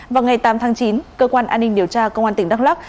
vào ngày tám tháng chín cơ quan an ninh điều tra công an tỉnh đắk lắc